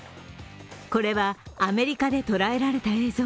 これはアメリカで捉えられた映像。